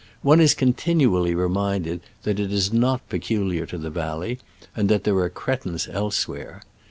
One is continually reminded that it is not pe culiar to the valley, and that there are cretins elsewhere.